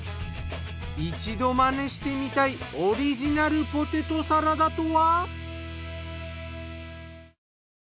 一度マネしてみたいオリジナルポテトサラダとは？